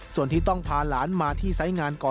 ส่วนที่ต้องพาหลานมาที่สายงานเขา